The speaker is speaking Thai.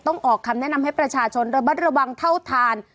ออกคำแนะนำให้ประชาชนระมัดระวังเท่าทาน